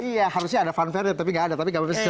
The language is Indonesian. iya harusnya ada fanfare tapi gak ada